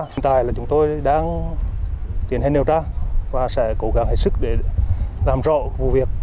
hiện tại là chúng tôi đang tiến hành điều tra và sẽ cố gắng hết sức để làm rõ vụ việc